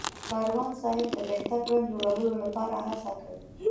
کاروان صاحب د بهتره ژوند جوړولو لپاره هڅه کوي.